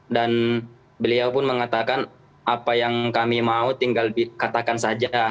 dan beliau pun mengatakan apa yang kami mau tinggal dikatakan saja